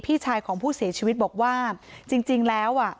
พี่ชายของผู้เสียชีวิตบอกว่าจริงจริงแล้วอ่ะ